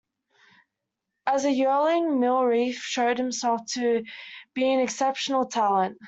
As a yearling Mill Reef showed himself to be an exceptional talent.